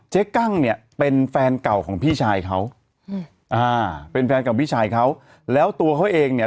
กั้งเนี่ยเป็นแฟนเก่าของพี่ชายเขาอืมอ่าเป็นแฟนเก่าพี่ชายเขาแล้วตัวเขาเองเนี่ย